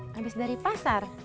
habis dari pasar